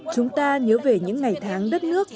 chúng ta nhớ về những ngày tháng đất nước